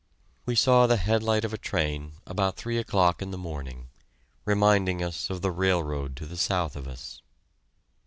We saw the headlight of a train about three o'clock in the morning, reminding us of the railroad to the south of us.